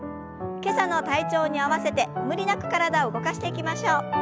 今朝の体調に合わせて無理なく体を動かしていきましょう。